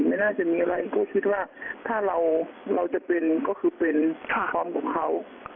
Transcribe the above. ไม่น่าจะมีอะไรก็คิดว่าถ้าเราจะเป็นก็คือเป็นความของเขา